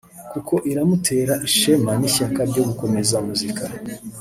kuko inamutera ishema n’ishyaka byo gukomeza muzika